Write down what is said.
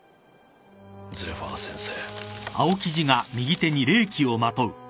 ゼファー先生。